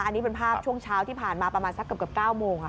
อันนี้เป็นภาพช่วงเช้าที่ผ่านมาประมาณสักเกือบ๙โมง